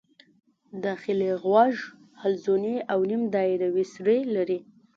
داخلي غوږ حلزوني او نیم دایروي سوري لري.